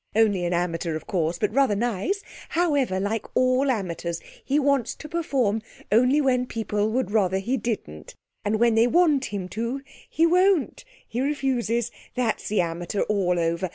Only an amateur, of course; but rather nice. However, like all amateurs he wants to perform only when people would rather he didn't, and when they want him to he won't; he refuses. That's the amateur all over.